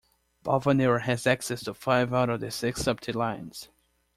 Balvanera has access to five out of the six "Subte" lines.